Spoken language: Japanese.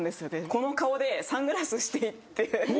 この顔でサングラスして行って。